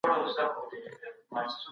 بله کومه موضوع لرئ چي پرې جملې جوړې کړم؟